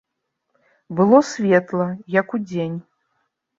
Было светла, як удзень.